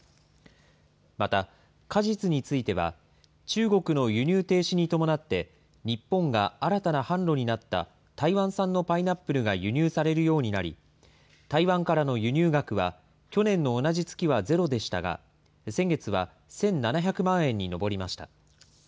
また、果実については、中国の輸入停止に伴って、日本が新たな販路になった台湾産のパイナップルが輸入されるようになり、台湾からの輸入額は去年の同じ月はゼロでしたが、先月は１７００万円に上りました。